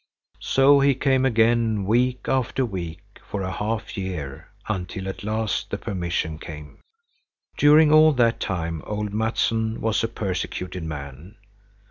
So he came again week after week for a half year, until at last the permission came. During all that time old Mattsson was a persecuted man.